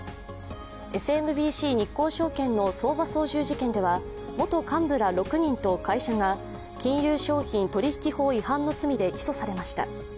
日興證券の相場操縦事件では元幹部ら６人と会社が金融商品取引法違反の罪で起訴されました。